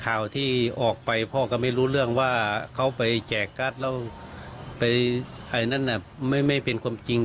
ข่าวที่ออกไปพ่อก็ไม่รู้เรื่องว่าเขาไปแจกการ์ดแล้วไปไอ้นั่นน่ะไม่เป็นความจริง